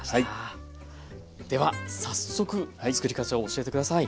では早速つくり方を教えて下さい。